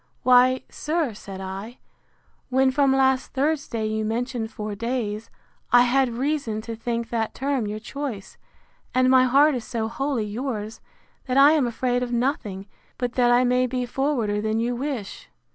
—Why, sir, said I, when from last Thursday you mentioned four days, I had reason to think that term your choice; and my heart is so wholly yours, that I am afraid of nothing, but that I may be forwarder than you wish.